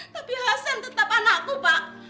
tapi hasan tetap anakku pak